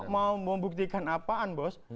jadi mau membuktikan apaan bos